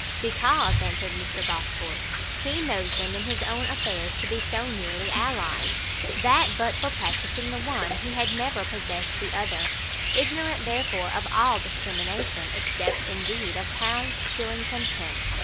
"Because," answered Mr Gosport, "he knows them, in his own affairs, to be so nearly allied, that but for practising the one, he had never possessed the other; ignorant, therefore, of all discrimination, except, indeed, of pounds, shillings and pence!